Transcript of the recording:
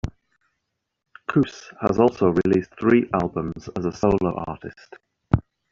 Couse has also released three albums as a solo artist.